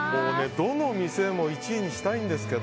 どの店も１位にしたいんですけど。